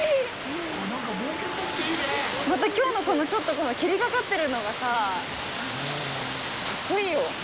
またきょうの、このちょっと霧がかってるのがさ、かっこいいよ。